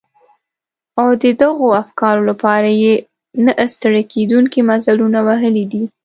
او د دغو افکارو لپاره يې نه ستړي کېدونکي مزلونه وهلي دي.